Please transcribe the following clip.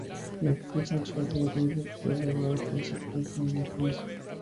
La actriz Natalia Oreiro fue alabada por su actuación en la cinta.